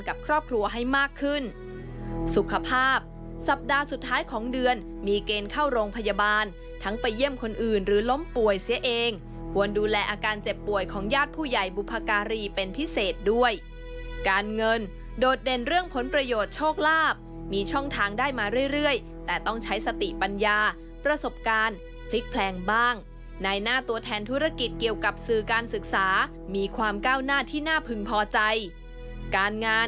กับครอบครัวให้มากขึ้นสุขภาพสัปดาห์สุดท้ายของเดือนมีเกณฑ์เข้าโรงพยาบาลทั้งไปเยี่ยมคนอื่นหรือล้มป่วยเสียเองควรดูแลอาการเจ็บป่วยของยาดผู้ใหญ่บุพการีเป็นพิเศษด้วยการเงินโดดเด่นเรื่องผลประโยชน์โชคลาบมีช่องทางได้มาเรื่อยแต่ต้องใช้สติปัญญาประสบการณ์พลิกแพลงบ้างในหน้าตัวแทน